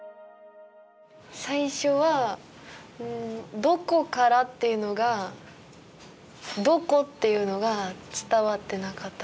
最初はうん「どこから」っていうのが「どこ」っていうのが伝わってなかったから。